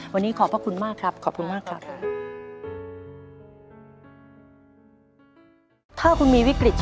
วันนี้ขอบพระคุณมากครับขอบคุณมากครับ